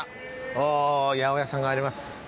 おお八百屋さんがあります。